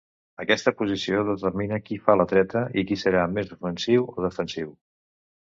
Aquesta posició determina qui fa la treta i qui serà més ofensiu o defensiu.